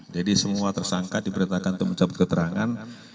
semua tersangka diberitakan untuk mencabut keterangan